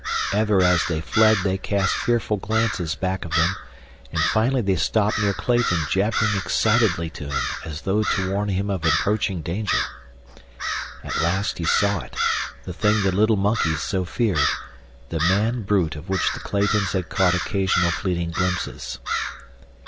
Ever as they fled they cast fearful glances back of them, and finally they stopped near Clayton jabbering excitedly to him as though to warn him of approaching danger. At last he saw it, the thing the little monkeys so feared—the man brute of which the Claytons had caught occasional fleeting glimpses.